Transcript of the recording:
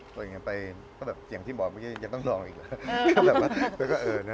ตัวเองไปก็แบบอย่างที่บอกเมื่อกี้ยังต้องลองอีกแล้ว